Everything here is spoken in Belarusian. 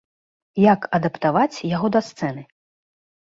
Як адаптаваць яго да сцэны?